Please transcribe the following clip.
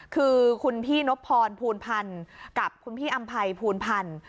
คือคุณพี่นบพรภูลพันธ์กับคุณพี่อำภัยภูลพันธ์